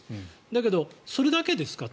だけど、それだけですか？